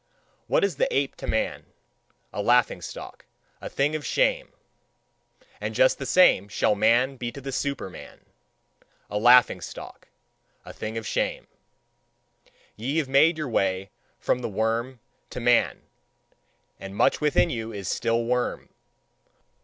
What is the ape to man? A laughing stock, a thing of shame. And just the same shall man be to the Superman: a laughing stock, a thing of shame. Ye have made your way from the worm to man, and much within you is still worm.